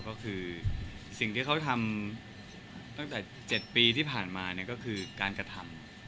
ก็คือสิ่งที่เขาทำตั้งแต่๗ปีที่ผ่านมาก็คือการกระทำ